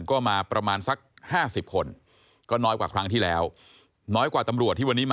ก็มาประมาณสัก๕๐คนก็น้อยกว่าครั้งที่แล้ว